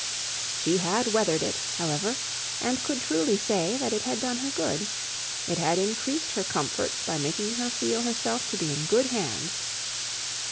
She had weathered it, however, and could truly say that it had done her good. It had increased her comforts by making her feel herself to be in good hands.